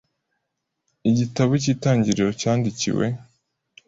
igitabo cy’Itangiriro cyandikiwe